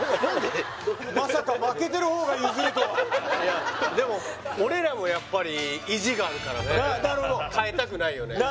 まさか負けてる方が譲るとはいやでも俺らもやっぱり意地があるからねなるほどかえたくないよね